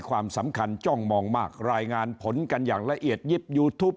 ความเชือกแทงของผู้คนทั้งในหมู่บ้านแล้วก็คนทั่วไปครับ